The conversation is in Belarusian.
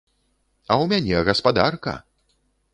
А ў мяне гаспадарка!